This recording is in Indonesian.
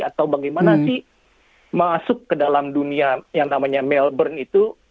atau bagaimana sih masuk ke dalam dunia yang namanya melbourne itu